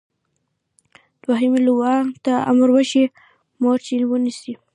دوهمې لواء ته امر وشي مورچې ونیسي.